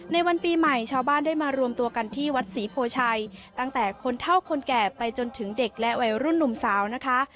ในวันปีใหม่ชาวบ้านได้มารวมตัวกันที่วัดศรีโพชัยตั้งแต่คนเท่าคนแก่ไปจนถึงเด็กและวัยรุ่นหนุ่มสาวนะคะ